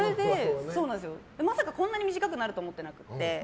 まさかこんなに短くなるとは思ってなくて。